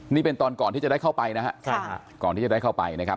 นี่เป็นตอนก่อนที่จะได้เข้าไปนะฮะใช่ค่ะก่อนที่จะได้เข้าไปนะครับ